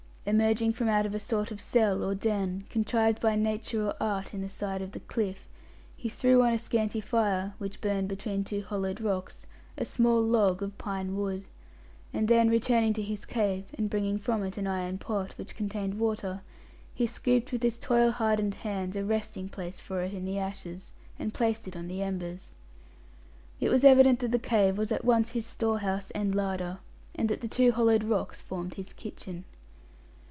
Emerging from out a sort of cell, or den, contrived by nature or art in the side of the cliff, he threw on a scanty fire, which burned between two hollowed rocks, a small log of pine wood, and then returning to his cave, and bringing from it an iron pot, which contained water, he scooped with his toil hardened hands a resting place for it in the ashes, and placed it on the embers. It was evident that the cave was at once his storehouse and larder, and that the two hollowed rocks formed his kitchen.